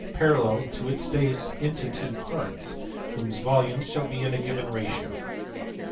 93 parallel to its base into two parts, whose volumes shall be in a given ratio.